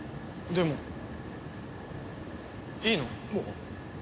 でもいいの？